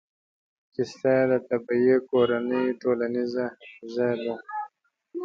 کیسه د طبعي کورنۍ ټولنیزه حافظه ده.